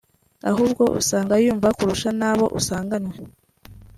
ahubwo usanga yumva kurusha na bo usanganywe